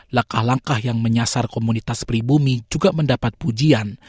lakah lakah yang menyasar komunitas pribumi juga mendapat pujian